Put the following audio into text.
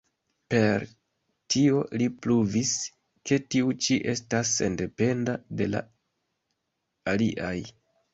Per tio li pruvis, ke tiu ĉi estas sendependa de la aliaj.